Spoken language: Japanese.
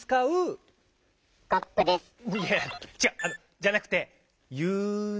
じゃなくて「ゆの」。